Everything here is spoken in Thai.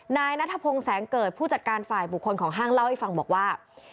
นายนัทพงศ์แสงเกิดผู้จัดการฝ่ายบุคคลของห้างเล่าให้ฟังบอกว่า